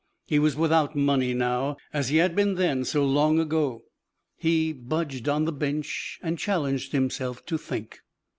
He was without money now, as he had been then, so long ago. He budged on the bench and challenged himself to think.